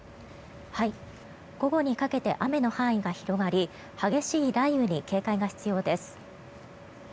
午後にかけて雨の範囲が広がり激しい雷雨に警戒が必要です。